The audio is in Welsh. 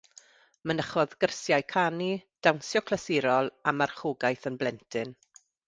Mynychodd gyrsiau canu, dawnsio clasurol, a marchogaeth yn blentyn.